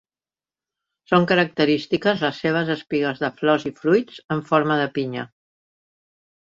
Són característiques les seves espigues de flors i fruits en forma de pinya.